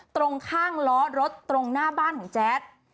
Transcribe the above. ตรงข้างล้อรถตรงหน้าบ้านของแจ๊ด